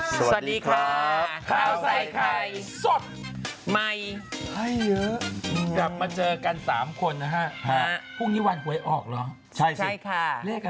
สวัสดีครับข้าวใส่ไข่สดใหม่ให้เยอะกลับมาเจอกัน๓คนนะฮะพรุ่งนี้วันหวยออกเหรอใช่ใช่ค่ะ